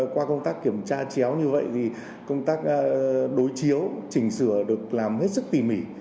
qua công tác kiểm tra chéo như vậy thì công tác đối chiếu chỉnh sửa được làm hết sức tỉ mỉ